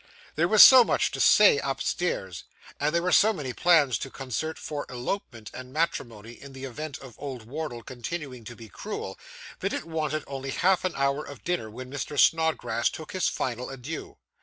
There was so much to say upstairs, and there were so many plans to concert for elopement and matrimony in the event of old Wardle continuing to be cruel, that it wanted only half an hour of dinner when Mr. Snodgrass took his final adieu.